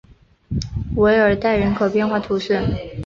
韦尔代人口变化图示